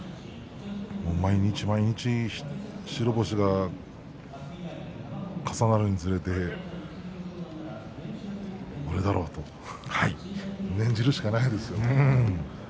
毎日毎日、白星が重なるにつれて俺だろうと念じるしかないですよ。